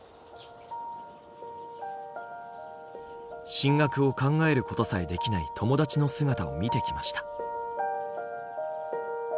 進学を考えることさえできない友達の姿を見てきました。